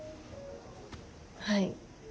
はい。